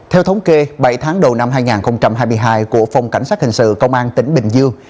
theo thống kê bảy tháng đầu năm hai nghìn hai mươi hai của phòng cảnh sát hình sự công an tỉnh bình dương